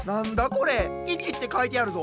これ「１」ってかいてあるぞ。